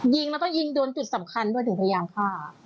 ยิงแล้วก็ยิงโดนจุดสำคัญด้วยถึงพยายามฆ่า